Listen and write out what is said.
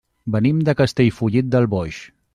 Venim de Castellfollit del Boix.